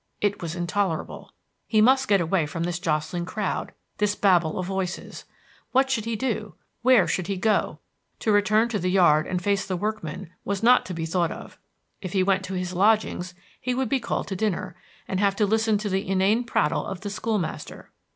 It was intolerable. He must get away from this jostling crowd, this babel of voices. What should he do, where should he go? To return to the yard and face the workmen was not to be thought of; if he went to his lodgings he would be called to dinner, and have to listen to the inane prattle of the school master.